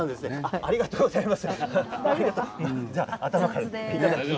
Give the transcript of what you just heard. ありがとうございます。